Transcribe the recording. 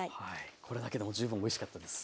これだけでも十分おいしかったです。